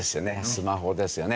スマホですよね。